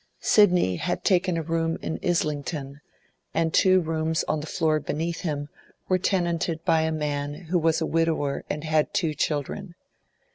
Sidney had taken a room in Islington, and two rooms on the floor beneath him were tenanted by a man who was a widower and had two children.